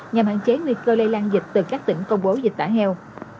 nhằm hạn chế nguy cơ lây lan dịch từ các tỉnh công bố dịch tả heo